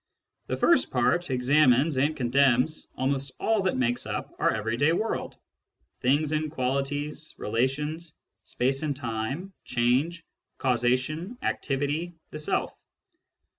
The first part examines and condemns almost all that makes up our everyday world : things and qualities, relations, space and time, change, causation, activity, the self.